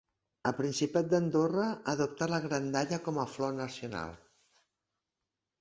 El Principat d'Andorra ha adoptat la grandalla com a flor nacional.